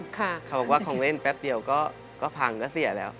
เขาบอกว่าของเล่นแป๊บเดียวก็พังก็เสียแล้ว